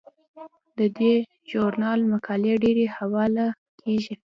د دې ژورنال مقالې ډیرې حواله کیږي.